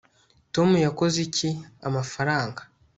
tom yakoze iki amafaranga